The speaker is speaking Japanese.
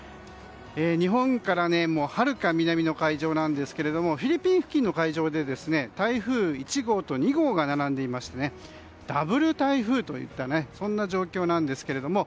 日本からはるか南の海上なんですがフィリピン付近の海上で台風１号、２号が並んでいましてダブル台風といった状況なんですが。